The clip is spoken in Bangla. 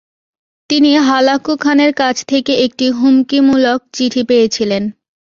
তিনি হালাকু খানের কাছ থেকে একটি হুমকিমূলক চিঠি পেয়েছিলেন।